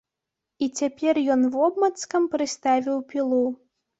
І цяпер ён вобмацкам прыставіў пілу.